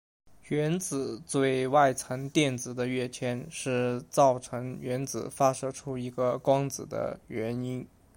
原子最外层电子的跃迁是造成原子发射出一个光子的原因。